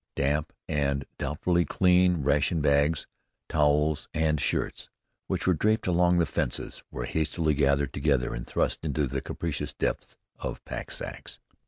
Damp and doubtfully clean ration bags, towels, and shirts which were draped along the fences, were hastily gathered together and thrust into the capacious depths of pack sacks.